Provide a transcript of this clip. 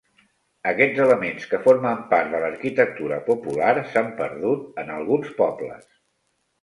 Aquests elements que formen part de l'arquitectura popular s'han perdut en alguns pobles.